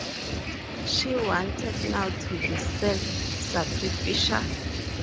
She wanted now to be self-sacrificial.